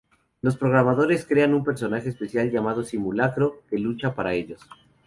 Los programadores crean un personaje especial llamado "simulacro" que lucha para ellos.